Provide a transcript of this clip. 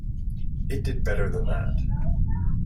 It did better than that.